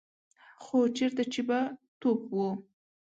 خو چېرته چې به توپ و.